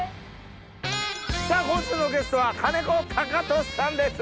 さぁ今週のゲストは金子貴俊さんです！